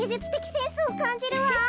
センスをかんじるわ。